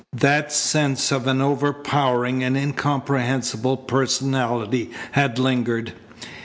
That sense of an overpowering and incomprehensible personality had lingered.